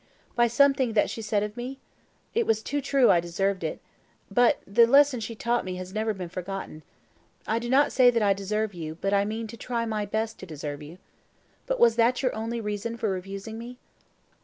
"By something that she said of me? It was too true I deserved it; but the lesson she taught me has never been forgotten. I do not say that I deserve you, but I mean to try my best to deserve you. But was that your only reason for refusing me?"